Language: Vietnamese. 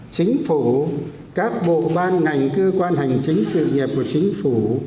chính phủ các bộ ban ngành cơ quan hành chính sự nghiệp của chính phủ